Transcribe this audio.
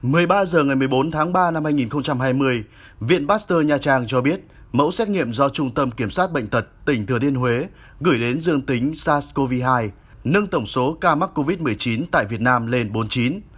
một mươi ba h ngày một mươi bốn tháng ba năm hai nghìn hai mươi viện pasteur nha trang cho biết mẫu xét nghiệm do trung tâm kiểm soát bệnh tật tỉnh thừa thiên huế gửi đến dương tính sars cov hai nâng tổng số ca mắc covid một mươi chín tại việt nam lên bốn mươi chín